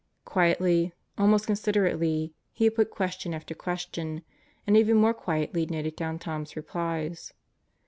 Quietly, almost considerately, he had put question after question; and even more quietly noted down Tom's replies.